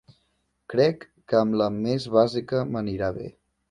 Crec que amb la més bàsica m'anirà bé.